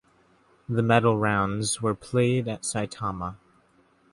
The Medal Rounds were played at Saitama.